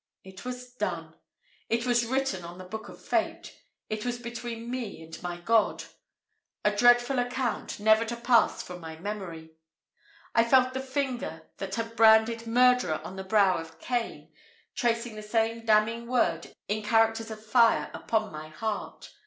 It was done! It was written on the book of fate! It was between me and my God, a dreadful account, never to pass from my memory. I felt the finger, that had branded murderer! on the brow of Cain, tracing the same damning word in characters of fire upon my heart.